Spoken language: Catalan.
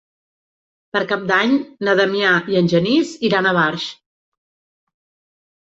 Per Cap d'Any na Damià i en Genís iran a Barx.